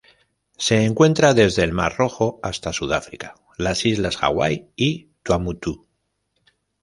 Se encuentra desde el Mar Rojo hasta Sudáfrica, las Islas Hawaii y Tuamotu.